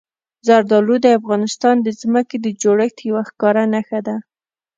زردالو د افغانستان د ځمکې د جوړښت یوه ښکاره نښه ده.